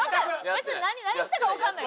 別に何したかわかんない。